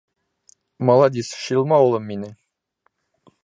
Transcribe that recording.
— Маладис, шилма улым минең.